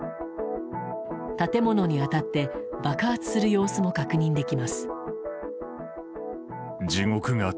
建物に当たって爆発する様子も確認できます。